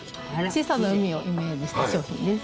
小さな海をイメージした商品です。